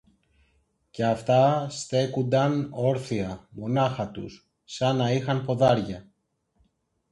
Κι αυτά στέκουνταν όρθια, μονάχα τους, σα να είχαν ποδάρια.